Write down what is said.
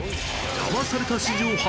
ダマされた史上初！